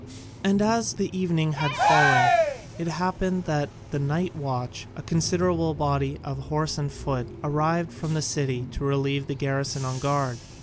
And as evening had fallen, it happened that the night watch, a considerable body of horse and foot, arrived from the city to relieve the garrison on guard.